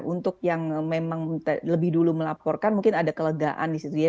untuk yang memang lebih dulu melaporkan mungkin ada kelegaan di situ ya